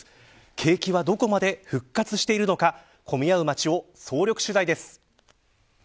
景気はどこまで復活しているのか混み合う街を総力取材です。